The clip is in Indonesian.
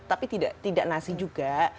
tapi tidak nasi juga